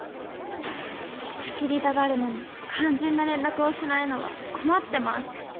仕切りたがるのに、肝心な連絡をしないのは困ってます。